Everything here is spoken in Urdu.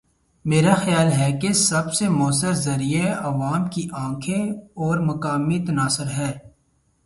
میرا خیال ہے کہ سب سے موثر ذریعہ عوام کی آنکھیں اور مقامی تناظر ہے۔